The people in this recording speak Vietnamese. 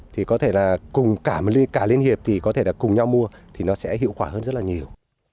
thì có thể là cùng cả liên hiệp thì có thể là cùng nhau mua thì nó sẽ hiệu quả hơn rất là nhiều